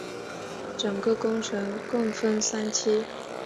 整个工程共分三期。